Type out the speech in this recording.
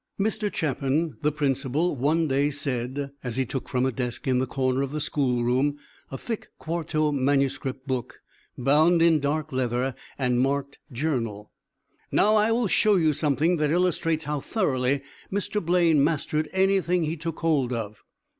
Mr. Chapin, the principal, one day said, as he took from a desk in the corner of the school room a thick quarto manuscript book, bound in dark leather and marked 'Journal:' "Now, I will show you something that illustrates how thoroughly Mr. Blaine mastered anything he took hold of.